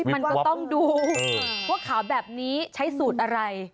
มันก็ต้องดูว่าขาวแบบนี้ใช้สูตรอะไร